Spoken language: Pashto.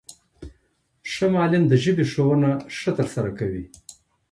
ښه معلم د ژبي ښوونه ښه ترسره کوي.